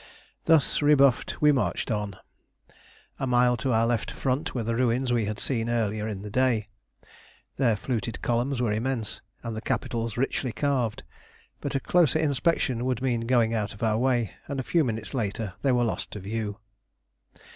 Thus rebuffed, we marched on. A mile to our left front were the ruins we had seen earlier in the day. Their fluted columns were immense, and the capitals richly carved; but a closer inspection would mean going out of our way, and a few minutes later they were lost to view.